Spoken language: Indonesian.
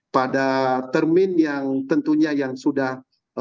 pada termin yang tentunya yang sudah